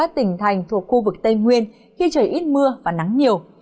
tỉnh thành thuộc khu vực tây nguyên khi trời ít mưa và nắng nhiều